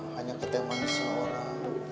hanya keteman seorang